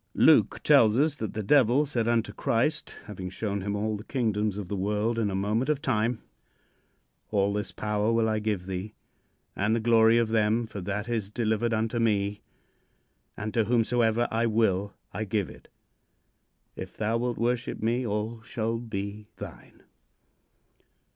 Luke tells us that the Devil said unto Christ, having shown him all the kingdoms of the world in a moment of time: "All this power will I give thee and the glory of them, for that is delivered unto me, and to whomsoever I will I give it. If thou wilt worship me, all shall be thine."